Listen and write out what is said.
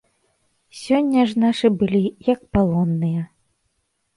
Сёння ж нашы былі, як палонныя.